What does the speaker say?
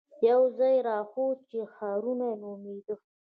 يو ځاى يې راوښود چې ښارنو نومېده.